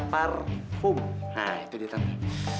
parfum nah itu dia tadi